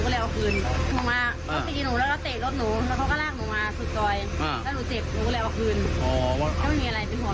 แล้วถ้าเจ็บหนูก็เลยเอาคืน